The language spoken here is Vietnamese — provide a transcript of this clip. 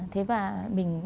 thế và mình